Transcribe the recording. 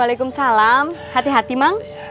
waalaikumsalam hati hati mang